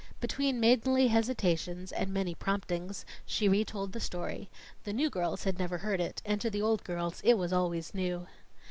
Between maidenly hesitations and many promptings she retold the story the new girls had never heard it, and to the old girls it was always new.